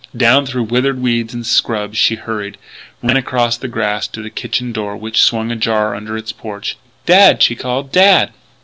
Down through withered weeds and scrub she hurried, ran across the grass to the kitchen door which swung ajar under its porch. "Dad!" she called, "Dad!"